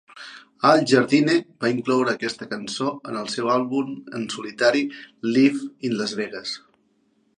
Al Jardine va incloure aquesta cançó en el seu àlbum en solitari Live in Las Vegas.